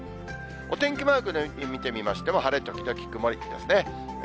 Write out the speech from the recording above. お天気マークで見てみましても、晴れ時々曇りですね。